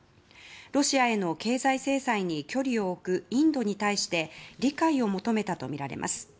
ロシアへの経済制裁に距離を置くインドに対して理解を求めたとみられます。